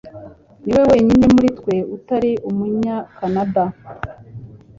niwe wenyine muri twe utari Umunyakanada.